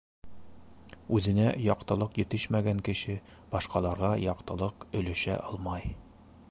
Үҙенә яҡтылыҡ етешмәгән кеше башҡаларға яҡтылыҡ өләшә алмай.